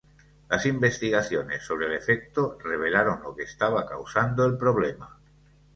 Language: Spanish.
Las investigaciones sobre el efecto revelaron lo que estaba causando el problema.